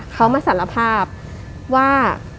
เขามาสารภาพว่า